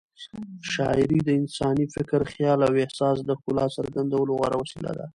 شاعري د انساني فکر، خیال او احساس د ښکلا څرګندولو غوره وسیله ده.